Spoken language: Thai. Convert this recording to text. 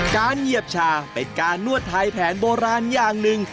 เหยียบชาเป็นการนวดไทยแผนโบราณอย่างหนึ่ง